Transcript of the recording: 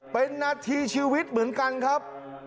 เป็นนาทีชีวิตเหมือนกันครับ